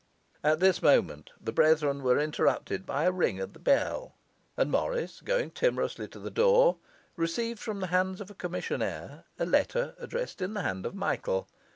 At this moment the brethren were interrupted by a ring at the bell, and Morris, going timorously to the door, received from the hands of a commissionaire a letter addressed in the hand of Michael.